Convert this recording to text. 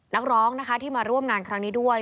นักร้องนะคะที่มาร่วมงานครั้งนี้ด้วย